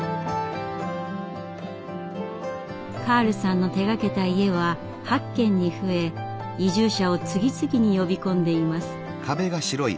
カールさんの手がけた家は８軒に増え移住者を次々に呼び込んでいます。